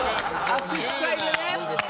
握手会でね。